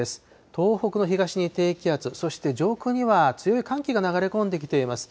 東北の東に低気圧、そして上空には強い寒気が流れ込んできています。